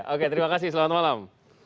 oke terima kasih selamat malam